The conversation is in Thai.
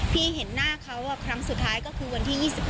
พี่เห็นหน้าเขาครั้งสุดท้ายก็คือวันที่๒๙สิงหาคม